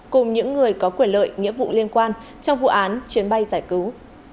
cùng những người có quyền lợi nghĩa vụ liên quan trong vụ án chuyến bay giải cứu